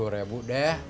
enam puluh ribu deh